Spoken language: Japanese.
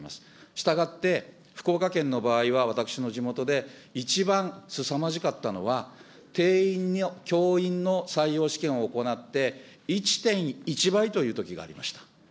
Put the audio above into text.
したがって、福岡県の場合は私の地元で、一番すさまじかったのは、教員の採用試験を行って、１．１倍というときがありました。